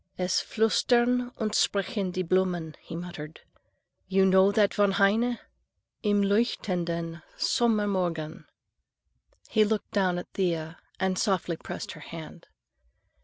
"Es flüstern und sprechen die Blumen,"— he muttered. "You know that von Heine? Im leuchtenden Sommermorgen?" He looked down at Thea and softly pressed her hand.